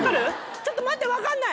ちょっと待って分かんない！